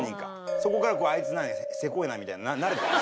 そこから「あいつせこいな」みたいになるから。